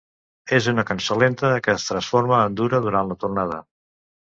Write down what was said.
És una cançó lenta que es transforma en dura durant la tornada.